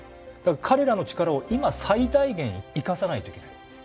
彼らの力を今最大限生かさないといけない。